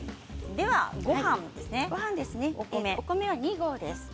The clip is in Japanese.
お米は２合です。